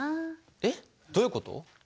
えっどういうこと？